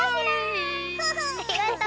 ありがとう。